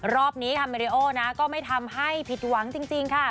รอบนี้ค่ะเมริโอนะก็ไม่ทำให้ผิดหวังจริงค่ะ